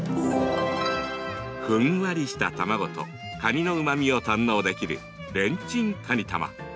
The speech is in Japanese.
ふんわりした卵とカニのうまみを堪能できるレンチンかにたま。